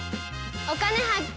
「お金発見」。